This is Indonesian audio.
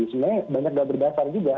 sebenarnya banyak yang berdasar juga